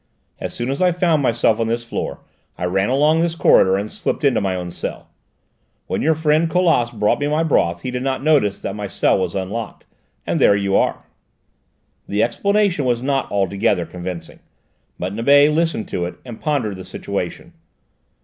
As soon as I found myself on this floor I ran along this corridor and slipped into my cell. When your friend Colas brought me my broth he did not notice that my cell was unlocked, and there you are!" The explanation was not altogether convincing, but Nibet listened to it and pondered the situation.